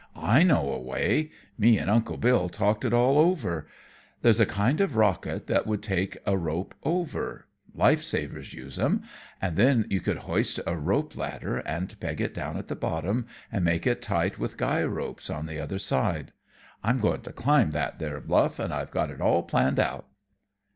"I know a way. Me and Uncle Bill talked it all over. There's a kind of rocket that would take a rope over life savers use 'em and then you could hoist a rope ladder and peg it down at the bottom and make it tight with guy ropes on the other side. I'm going to climb that there bluff, and I've got it all planned out."